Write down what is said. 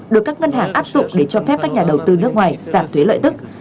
được các ngân hàng áp dụng để cho phép các nhà đầu tư nước ngoài giảm thuế lợi tức